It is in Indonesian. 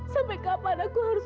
sampai kapan aku harus